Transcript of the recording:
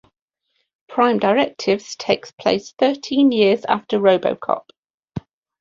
"Prime Directives" takes place thirteen years after "RoboCop".